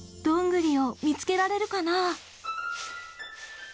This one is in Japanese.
どんぐりを見つけられるかな？